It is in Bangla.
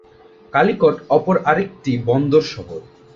কালিকট অপর আরেকটি বন্দর শহর।